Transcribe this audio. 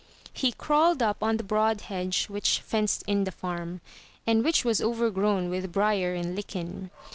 He crawled up on the broad hedge which fenced in the farm, and which was overgrown with brier and lichen.